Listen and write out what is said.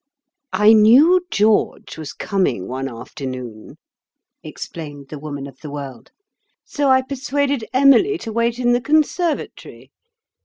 "I knew George was coming one afternoon," explained the Woman of the World, "so I persuaded Emily to wait in the conservatory.